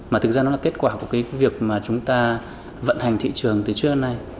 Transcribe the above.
mà thực ra nó là kết quả của cái việc mà chúng ta vận hành thị trường từ trước đến nay